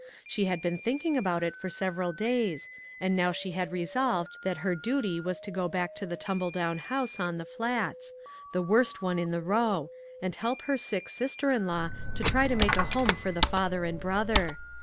She had been thinking about it for several days, and now she had resolved that her duty was to go back to the tumble down house FRUIT FROM THE PICNIC. 169 on the Flats, the worst one in the row, and help her sick sister in law to try to make a home for the father and brother.